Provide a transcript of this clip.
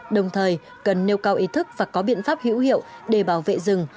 đồng thời cần nêu cao ý thức và có biện pháp hữu hiệu để bảo vệ rừng